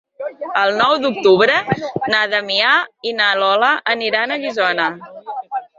El nou d'octubre na Damià i na Lola aniran a Guissona.